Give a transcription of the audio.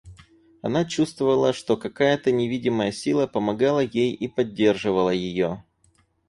Она чувствовала, что какая-то невидимая сила помогала ей и поддерживала ее.